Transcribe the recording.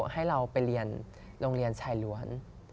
ให้เราไปเรียนโรงเรียนชายล้วน